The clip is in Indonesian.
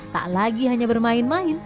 tak lagi hanya bermain main